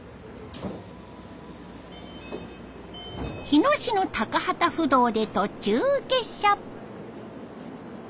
日野市の高幡不動で途中下車。